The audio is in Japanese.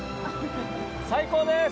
最高です！